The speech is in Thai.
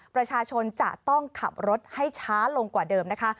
ประชาชนจะต้องขับรถให้ช้าลงกว่าเดิมนะคะ